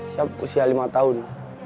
saya usia lima tahun